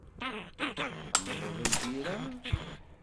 Tḥemmleḍ lbira?